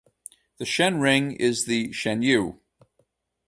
The Shen ring is the 'shenu'.